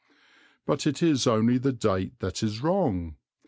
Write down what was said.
But it is only the date that is wrong.